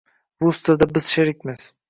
Rus tilida biz sherikmiz